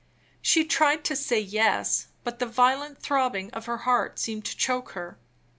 She tried to say "Yes"; but the violent throbbing of her heart seemed to choke her.